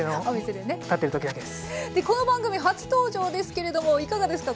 でこの番組初登場ですけれどもいかがですか？